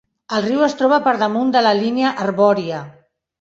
El riu es troba per damunt de la línia arbòria.